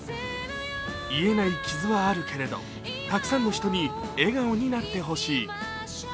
癒えない傷はあるけれどたくさんの人に笑顔になってほしい。